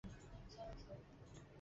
由冰川运动及外界温度上升有关。